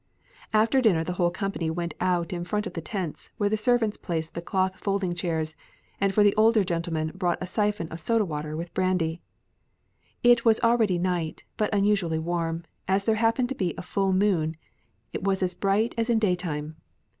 After dinner the whole company went out in front of the tents, where the servants placed the cloth folding chairs, and for the older gentlemen brought a siphon of soda water with brandy. It was already night but unusually warm; as there happened to be full moon it was as bright as in daytime.